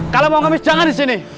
kalau mau kemis jangan disini